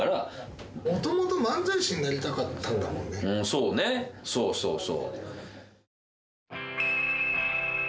そうね、そうそうそう。